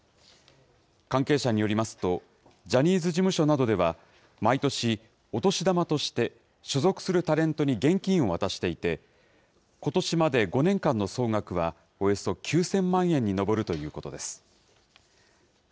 関係者によりますと、ジャニーズ事務所などでは、毎年、お年玉として、所属するタレントに現金を渡していて、ことしまで５年間の総額は、およそ９０００万円に上るということです。